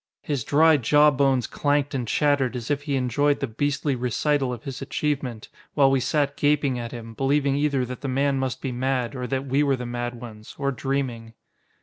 His dry jaw bones clanked and chattered as if he enjoyed the beastly recital of his achievement, while we sat gaping at him, believing either that the man must be mad, or that we were the mad ones, or dreaming.